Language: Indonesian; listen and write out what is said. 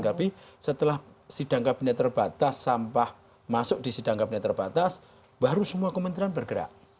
tapi setelah sidang kabinet terbatas sampah masuk di sidang kabinet terbatas baru semua kementerian bergerak